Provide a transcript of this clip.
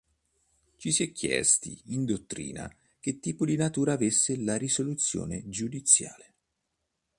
Ci si è chiesti in dottrina che tipo di natura avesse la risoluzione giudiziale.